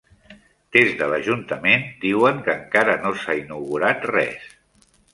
Des de l'ajuntament diuen que encara no s'ha inaugurat res.